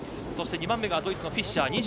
そして２番目がドイツのフィッシャー。